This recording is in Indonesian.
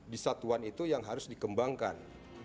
di satuan itu yang harus dikembangkan